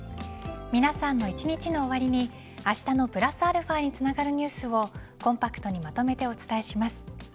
皆さんの一日の終わりにあしたのプラスαにつながるニュースをコンパクトにまとめてお伝えします。